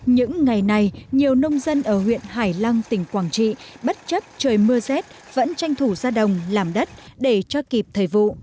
những ngày này nhiều nông dân ở huyện hải lăng tỉnh quảng trị bất chấp trời mưa rét vẫn tranh thủ ra đồng làm đất để cho kịp thời vụ